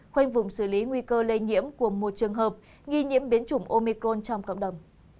khoanh vùng xử lý nguy cơ lây nhiễm của một trường hợp nghi nhiễm biến chủng omicron trong cộng đồng